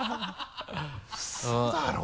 ウソだろ？